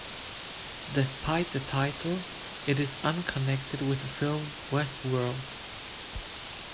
Despite the title, it is unconnected with the film "Westworld".